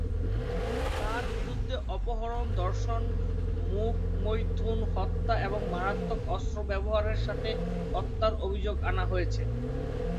তার বিরুদ্ধে অপহরণ, ধর্ষণ, মুখ-মৈথুন, হত্যা এবং মারাত্মক অস্ত্র ব্যবহারের সাথে হত্যার অভিযোগ আনা হয়েছে।